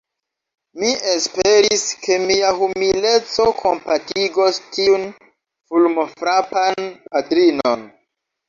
Mi esperis, ke mia humileco kompatigos tiun fulmofrapan patrinon.